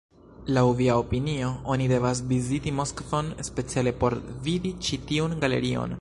Laŭ mia opinio, oni devas viziti Moskvon speciale por vidi ĉi tiun galerion.